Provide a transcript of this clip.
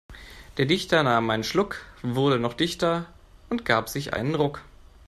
Der Dichter nahm einen Schluck, wurde noch dichter und gab sich einen Ruck.